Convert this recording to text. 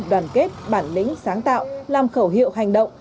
đoàn kết bản lĩnh sáng tạo làm khẩu hiệu hành động